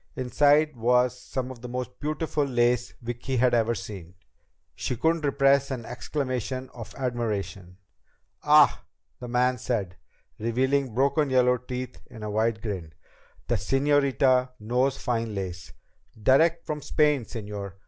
Inside was some of the most beautiful lace Vicki had ever seen. She couldn't repress an exclamation of admiration. "Ah," the man said, revealing broken yellow teeth in a wide grin. "The señorita knows fine lace. Direct from Spain, señor!